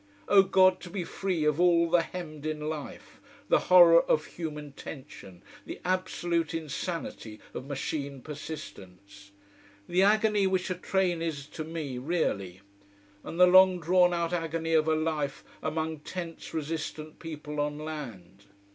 Oh God, to be free of all the hemmed in life the horror of human tension, the absolute insanity of machine persistence. The agony which a train is to me, really. And the long drawn out agony of a life among tense, resistant people on land.